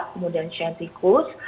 kemudian show tikus